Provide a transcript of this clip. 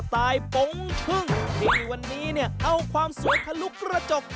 ไตล์ปงชึ่งที่วันนี้เนี่ยเอาความสวยทะลุกระจก